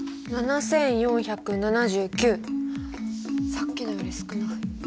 さっきのより少ない。